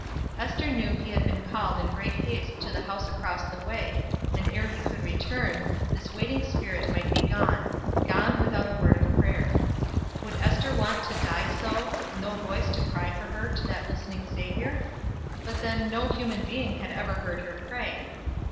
Ester knew he had been called in great haste to the house across the way, and ere he could return, this waiting spirit might be gone gone without a word of prayer. Would Ester want to die so, with no voice to cry for her to that listening Savior? But then no human being had ever heard her pray.